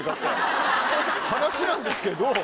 話なんですけど。